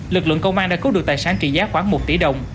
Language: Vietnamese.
lực lượng công an đã cứu được tài sản trị giá khoảng một tỷ đồng